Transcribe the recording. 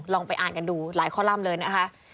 ลองไปอ่านกันดูหลายคอลัมป์เลยนะคะ